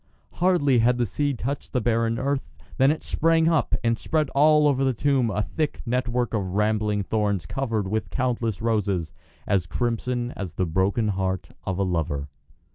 Hardly had the seed touched the barren earth than it sprang up and spread all over the tomb a thick network of rambling thorns covered with countless roses as crimson as the broken heart of a lover.